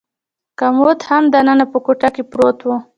کمود هم دننه په کوټه کې پروت و.